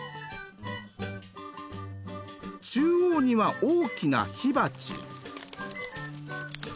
中央には大きな火鉢。